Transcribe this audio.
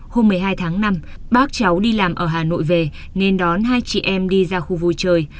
hôm một mươi hai tháng năm bác cháu đi làm ở hà nội về nên đón hai chị em đi ra khu vui chơi